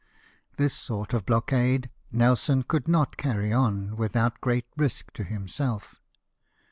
This sort of blockade Nelson could not carry on without great risk to himself.